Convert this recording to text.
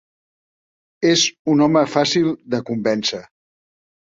És un home fàcil de convèncer.